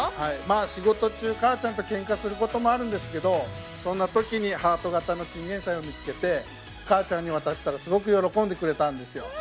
仕事中、母ちゃんとけんかすることもあるんですけどそんなときにハート形のチンゲンサイを見つけて母ちゃんに渡したら、すごく喜んでくれたんですよ。